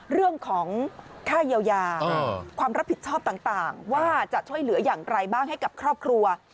เรื่องของค่าเยียวยาความรับผิดชอบต่างว่าจะช่วยเหลืออย่างไรบ้างให้กับครอบครัว